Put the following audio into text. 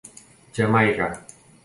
Jamaica.